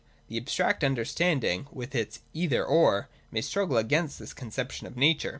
The abstract understanding, with its ' Either — or,' may struggle against this conception of nature.